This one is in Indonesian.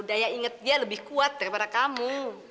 daya ingat dia lebih kuat daripada kamu